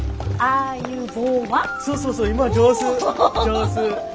そうそうそう今上手上手。